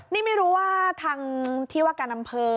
นี่ไม่รู้ว่าทางที่ว่าการอำเภอ